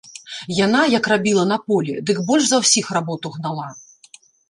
Яна, як рабіла на полі, дык больш за ўсіх работу гнала.